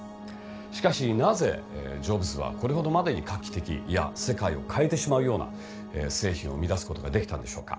しかしなぜジョブズはこれほどまでに画期的いや世界を変えてしまうような製品を生み出す事ができたんでしょうか。